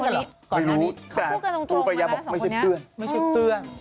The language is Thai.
ไม่รู้แต่กูพยายามบอกว่าไม่ใช่เพื่อน